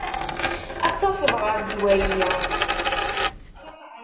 Ad tafeḍ ɣer ddwa-yi.